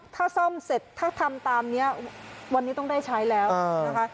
ถ้าซ่อมเสร็จถ้าทำตามนี้วันนี้ต้องได้ใช้แล้วนะคะ